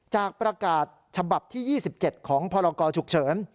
จากประกาศฉบับที่๒๗ของพคฉ